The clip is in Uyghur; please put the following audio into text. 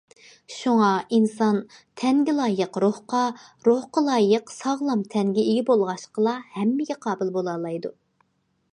شۇڭا ئىنسان‹‹ تەنگە لايىق روھقا، روھقا لايىق ساغلام تەنگە ئىگە بولغاچقىلا ھەممىگە قابىل›› بولالايدۇ.